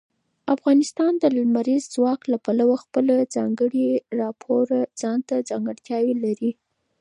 افغانستان د لمریز ځواک له پلوه خپله ځانګړې او پوره ځانته ځانګړتیاوې لري.